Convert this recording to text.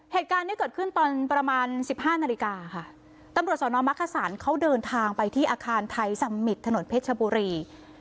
เหตุการณ์ที่เกิดขึ้นตอนประมาณสิบห้านาฬิกาค่ะตำรวจสนมักขสันเขาเดินทางไปที่อาคารไทยสัมมิตรถนนเพชรชบุรี